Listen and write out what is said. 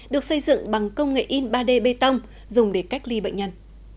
được xây dựng bằng công nghệ in ba d bê tông dùng để cách ly bệnh nhân